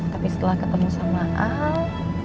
tapi setelah ketemu sama al